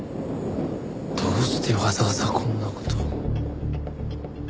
どうしてわざわざこんな事を？